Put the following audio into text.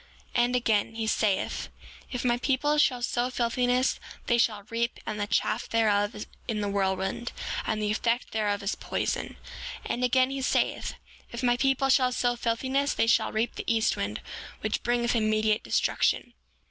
7:30 And again, he saith: If my people shall sow filthiness they shall reap the chaff thereof in the whirlwind; and the effect thereof is poison. 7:31 And again he saith: If my people shall sow filthiness they shall reap the east wind, which bringeth immediate destruction.